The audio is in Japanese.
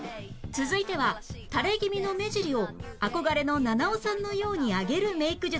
続いては垂れ気味の目尻を憧れの菜々緒さんのように上げるメイク術。